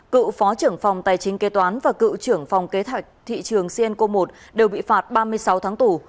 cựu phó trưởng phòng tài chính kế toán và cựu trưởng phòng kế hoạch thị trường cenco một đều bị phạt ba mươi sáu tháng tù